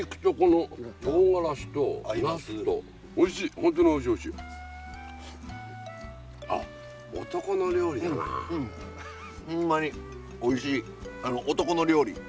ホンマにおいしい男の料理。